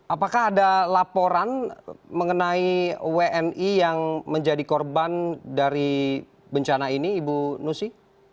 apakah ada laporan mengenai wni yang menjadi korban dari bencana ini ibu nusi